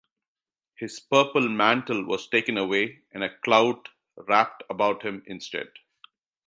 His purple mantle was taken away and a clout wrapped about him instead.